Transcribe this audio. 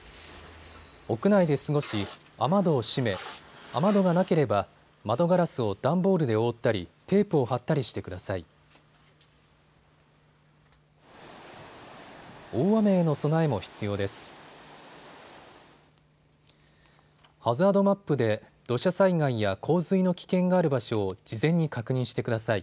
屋内で過ごし、雨戸を閉め、雨戸がなければ窓ガラスを段ボールで覆ったりテープを貼ったりしてください。